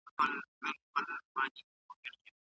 اسلام او پښتونولي سره يو دي.